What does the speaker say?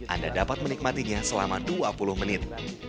anda dapat menikmatinya selama dua puluh menit